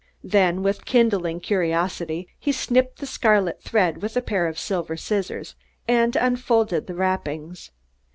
Then, with kindling curiosity, he snipped the scarlet thread with a pair of silver scissors, and unfolded the wrappings.